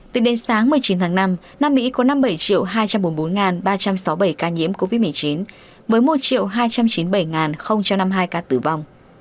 tính đến sáng một mươi chín tháng năm nam mỹ có năm mươi bảy hai trăm bốn mươi bốn ba trăm sáu mươi bảy ca nhiễm covid một mươi chín với một hai trăm chín mươi bảy năm mươi hai ca tử vong